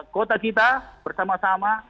kota kita bersama sama